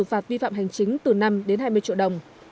bị xử phạt vi phạm hành chính từ năm đến hai mươi triệu đồng